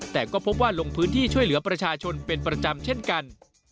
แต่ก็พบว่าลงพื้นที่ช่วยเหลือประชาชนเป็นประจำเช่นกัน